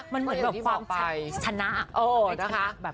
มันเหมือนความชนะ